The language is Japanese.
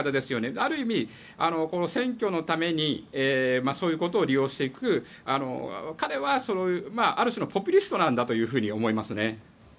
ある意味、選挙のためにそういうことを利用していく彼はある種のポピュリストなんだと思いますね。